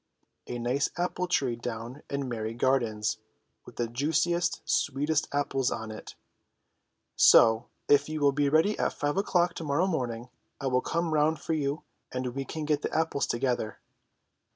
"A nice apple tree down in Merry gardens with the juici est, sweetest apples on it ! So if you will be ready at five o'clock to morrow morning I will come round for you and we can get the apples together."